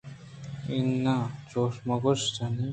اِناں چوش مہ گوٛش جانی